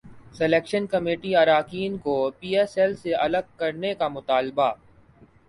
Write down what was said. selection committee اراکین کو P S L سے الگ کرنے کا مطالبہ